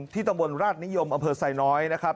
ที่ตำรวจราชนิยมอำเภอสายน้อยนะครับ